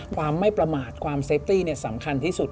ความไม่ประมาทความเซฟตี้สำคัญที่สุด